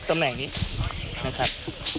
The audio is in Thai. ตำแหน่งนี้นะครับ